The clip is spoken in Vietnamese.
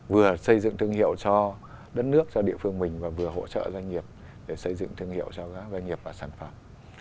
vừa xây dựng thương hiệu cho đất nước cho địa phương mình và vừa hỗ trợ doanh nghiệp để xây dựng thương hiệu cho các doanh nghiệp và sản phẩm